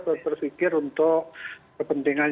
saya kira kita harus berpikir untuk kepentingan